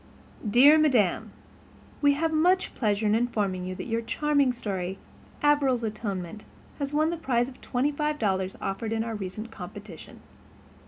"DEAR MADAM: We have much pleasure in informing you that your charming story 'Averil's Atonement' has won the prize of twenty five dollars offered in our recent competition.